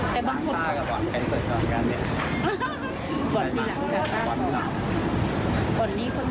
แต่บางคนก่อนปีหลัง